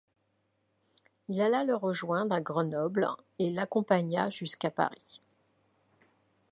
Il alla le rejoindre à Grenoble et l'accompagna jusqu'à Paris.